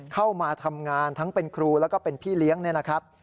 เข้ามาทำงานทั้งเป็นครูแล้วก็เป็นพี่เลี้ยงเนี่ยนะครับ